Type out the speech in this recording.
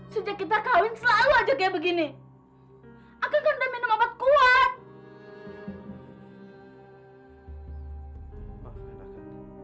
sudah kita kawin selalu aja kayak begini akan kemudian membuat kuat